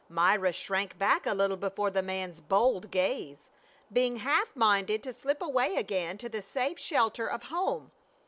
Myra shrank back a little before the man's bold gaze, being half minded to slip away again to the safe shelter of home.